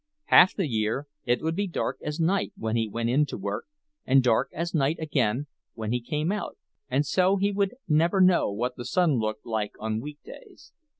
Half the year it would be dark as night when he went in to work, and dark as night again when he came out, and so he would never know what the sun looked like on weekdays.